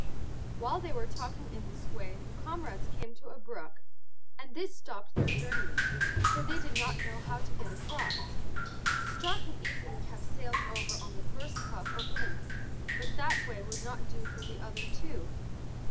While they were talking in this way the comrades came to a brook, and this stopped their journey, for they did not know how to get across. The straw could easily have sailed over on the first puff of wind, but that way would not do for the other two.